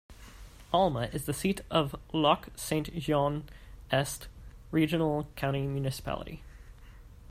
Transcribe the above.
Alma is the seat of Lac-Saint-Jean-Est Regional County Municipality.